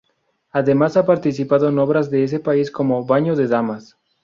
Además ha participado en obras de ese país como "Baño de damas".